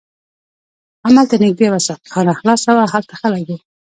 هملته نږدې یوه ساقي خانه خلاصه وه، هلته خلک و.